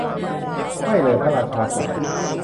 ไม่เลย พระราชากล่าว